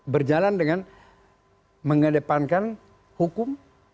berjalan dengan mengedepankan hukum